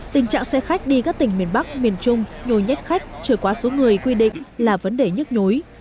tình trạng xe khách đi các tỉnh miền bắc miền trung nhồi nhét khách trở quá số người quy định là vấn đề nhức nhối